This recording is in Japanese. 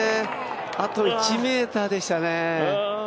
あと１ｍでしたね。